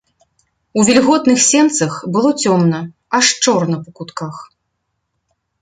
У вільготных сенцах было цёмна, аж чорна па кутках.